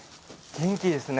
元気ですね。